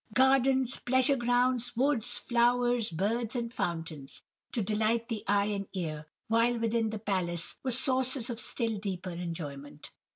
Gardens, pleasure grounds, woods, flowers, birds, and fountains, to delight the eye and ear; while within the palace were sources of still deeper enjoyment.